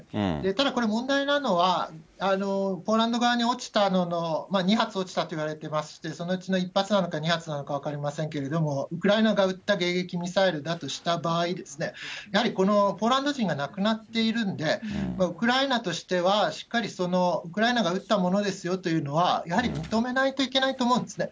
ただ、これ問題なのは、ポーランド側に落ちたのの２発落ちたといわれてまして、そのうちの１発なのか２発なのか分かりませんけれども、ウクライナが撃った迎撃ミサイルだとした場合、やはりポーランド人が亡くなっているんで、ウクライナとしては、しっかりその、ウクライナが撃ったものですよというのは、やはり認めないといけないと思うんですね。